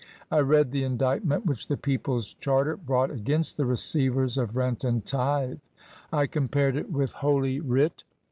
I read the indict ment which the People's Charter brought against the receivers of Rent and Tithe. I compared it with Holy Writ.